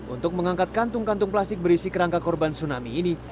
untuk mengangkat kantung kantung plastik berisi kerangka korban tsunami ini